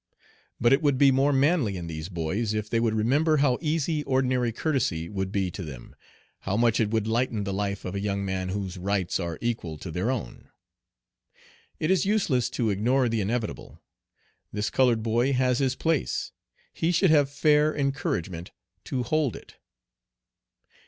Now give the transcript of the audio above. But it would be more manly in these boys, if they would remember how easy ordinary courtesy would be to them, how much it would lighten the life of a young man whose rights are equal to their own. It is useless to ignore the inevitable. This colored boy has his place; he should have fair, encouragement to hold it.